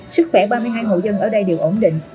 sức khỏe ba mươi hai hộ dân ở đây đều ổn định